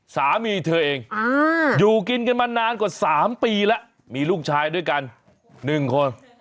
สามีเธอเองอยู่กินกันมานานกว่า๓ปีแล้วมีลูกชายด้วยกัน๑คน